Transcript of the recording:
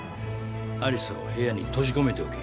有沙を部屋に閉じ込めておけ。